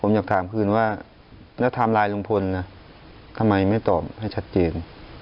ผมอยากถามคืนว่าแล้วไทม์ไลน์ลุงพลนะทำไมไม่ตอบให้ชัดเจน